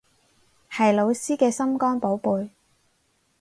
係老師嘅心肝寶貝